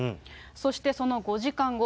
そしてその５時間後。